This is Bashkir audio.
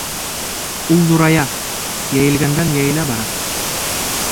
Ул ҙурая, йәйелгәндән-йәйелә бара.